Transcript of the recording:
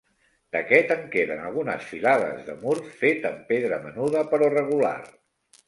D'aquest en queden algunes filades de mur fet amb pedra menuda però regular.